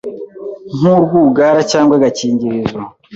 nk’urwugara cyangwa agakingirizo